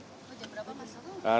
jam berapa mas